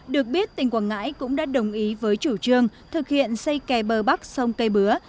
được biết tỉnh quảng ngãi cũng đã đồng ý với chủ trương thực hiện xây kè bờ bắc sông cây bứa